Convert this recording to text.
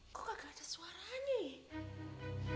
kok gak ada suara nih